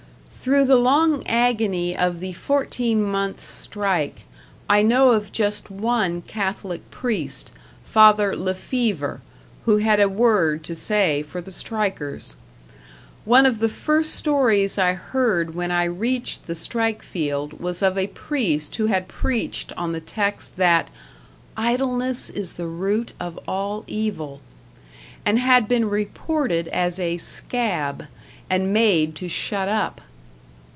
Through the long agony of the fourteen months strike, I know of just one Catholic priest, Father Le Fevre, who had a word to say for the strikers. One of the first stories I heard when I reached the strike field was of a priest who had preached on the text that "Idleness is the root of all evil," and had been reported as a "scab" and made to shut up.